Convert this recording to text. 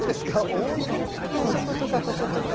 そことかこことか。